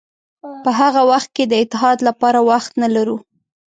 په هغه وخت کې د اتحاد لپاره وخت نه لرو.